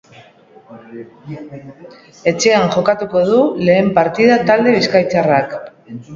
Etxean jokatuko du lehen partida talde bizkaitarrak.